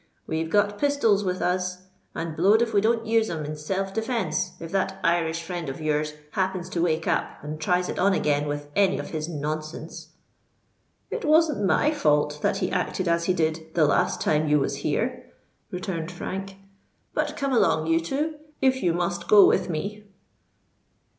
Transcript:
We've got pistols with us; and blowed if we don't use 'em in self defence if that Irish friend of your's happens to wake up and tries it on again with any of his nonsense." "It wasn't my fault that he acted as he did the last time you was here," returned Frank. "But come along, you two—if you must go with me."